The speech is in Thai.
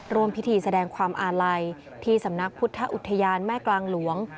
ร่วมพิธีแสดงความอาลัยที่สำนักพุทธอุทยานแม่กลางหลวง